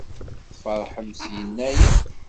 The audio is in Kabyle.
Tfeṛḥem s Yennayer?